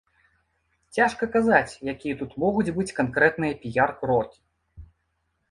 Цяжка казаць, якія тут могуць быць канкрэтныя піяр-крокі.